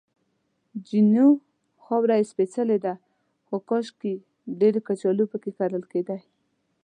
جینو: خاوره یې سپېڅلې ده، خو کاشکې چې ډېرې کچالو پکې کرل کېدای.